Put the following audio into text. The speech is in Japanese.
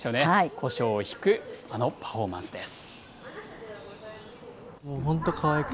こしょうをひく、あのパフォーマンスです。